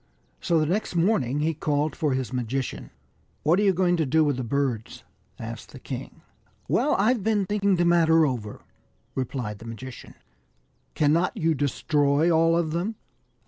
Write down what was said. So the next morning he called for his magician. " What are you going to do with the birds ?" asked the king. " Well, I've been thinking the matter over," replied the magician. Origin of tJu Welsh. 25 " Cannot you destroy all of them